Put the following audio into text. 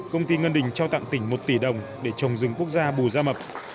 công ty ngân đình trao tặng tỉnh một tỷ đồng để trồng rừng quốc gia bù gia mập